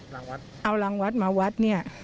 รางวัดเอารางวัดมาวัดนี่